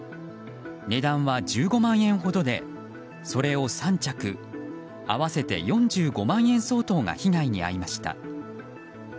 値段は１５万円ほどでそれを３着合わせて４５万円相当が被害に遭いました。